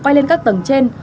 quay lên các tầng trên